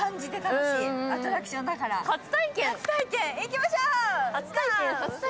初体験、行きましょう。